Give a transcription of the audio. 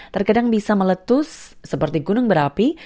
terkadang bisa meletus seperti gunung berapi